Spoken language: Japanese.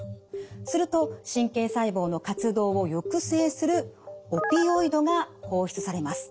すると神経細胞の活動を抑制するオピオイドが放出されます。